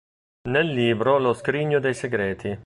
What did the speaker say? Nel libro "Lo scrigno dei segreti.